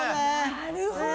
なるほど！